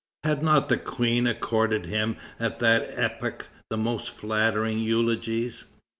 Had not the Queen accorded him at that epoch the most flattering eulogies?